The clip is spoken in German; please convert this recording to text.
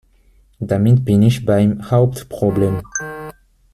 Damit bin ich beim Hauptproblem.